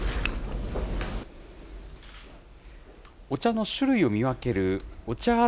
お茶の種類を見分けるお茶